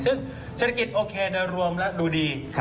ซึ่งเศรษฐกิจโอเคโดยรวมแล้วดูดี